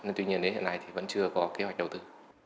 nên tuy nhiên hiện nay vẫn chưa có kế hoạch đầu tư